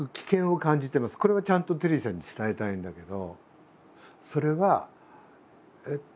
これはちゃんとテリーさんに伝えたいんだけど。